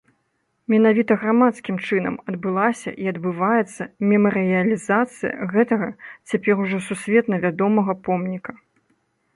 Менавіта грамадскім чынам адбылася і адбываецца мемарыялізацыя гэтага цяпер ужо сусветна вядомага помніка.